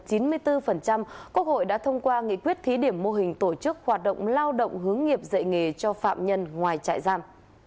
quốc hội đã thông qua nghị quyết thí điểm mô hình tổ chức hoạt động lao động hướng nghiệp dạy nghề cho phạm nhân ngoài trại giam